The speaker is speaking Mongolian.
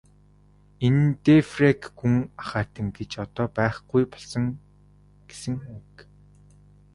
Энэ нь де Пейрак гүн ахайтан гэж одоо байхгүй болсон гэсэн үг.